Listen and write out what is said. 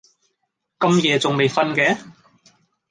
咁夜仲未訓嘅？